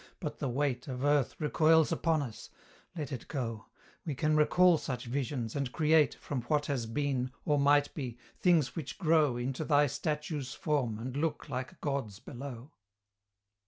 but the weight Of earth recoils upon us; let it go! We can recall such visions, and create From what has been, or might be, things which grow, Into thy statue's form, and look like gods below.